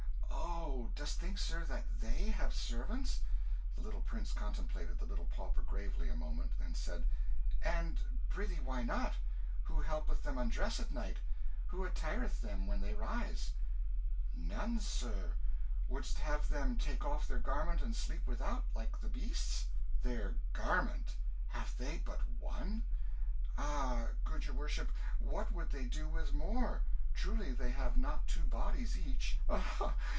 Oh, dost think, sir, that they have servants?" The little prince contemplated the little pauper gravely a moment, then said "And prithee, why not? Who helpeth them undress at night? Who attireth them when they rise?" "None, sir. Would'st have them take off their garment, and sleep without like the beasts?" "Their garment! Have they but one?" "Ah, good your worship, what would they do with more? Truly they have not two bodies each."